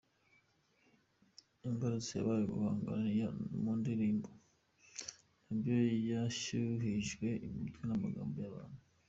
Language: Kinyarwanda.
Imbarutso yabaye guhangana mu ndirimbo, nabyo bashyuhijwe imitwe n’amagambo y’abantu.